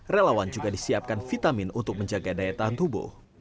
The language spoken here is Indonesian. relawan juga disiapkan vitamin untuk menjaga daya tahan tubuh